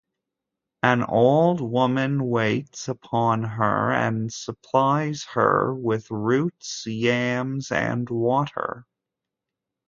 An old woman waits upon her and supplies her with roots, yams, and water.